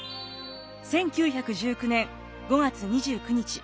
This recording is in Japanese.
１９１９年５月２９日。